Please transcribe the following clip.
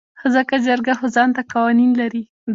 ځکه جرګه خو ځانته قوانين لري .